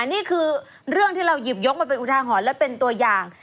นี่คือเรื่องที่เราหยิบยกมาเป็นอุทาหรณ์และเป็นตัวอย่าง